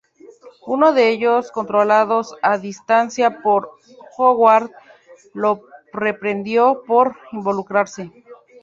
Uno de ellos, controlados a distancia por Howard, lo reprendió por involucrarse.